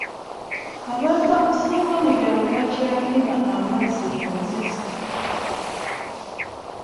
Abantu abasinga mu byalo bakyakima amazzi ku nzizi.